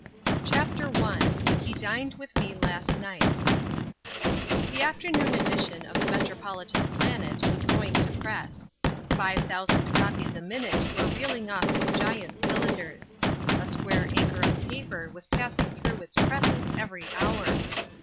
_ CHAPTER I HE DINED WITH ME LAST NIGHT The afternoon edition of the Metropolitan Planet was going to press. Five thousand copies a minute were reeling off its giant cylinders. A square acre of paper was passing through its presses every hour.